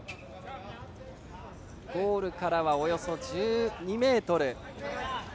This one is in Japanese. ゴールからはおよそ１２ｍ。